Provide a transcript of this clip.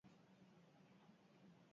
Ardoan dagoela egia, alegia.